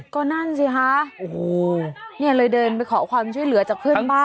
ก็นั่นสิคะโอ้โหเนี่ยเลยเดินไปขอความช่วยเหลือจากเพื่อนบ้าน